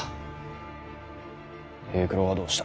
平九郎はどうした？